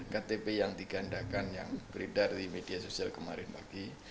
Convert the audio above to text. ktp yang digandakan yang beredar di media sosial kemarin pagi